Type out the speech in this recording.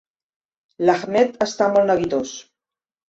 L'Ahmed està molt neguitós.